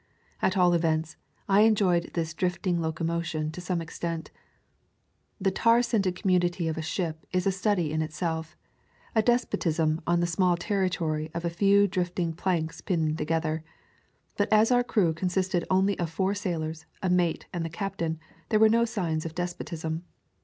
At all events I enjoyed this drifting locomotion to some extent. The tar scented community of a ship is a study in itself —a despotism on the small territory of a few drifting planks pinned to gether. But as our crew consisted only of four sailors, a mate, and the captain, there were no signs of despotism.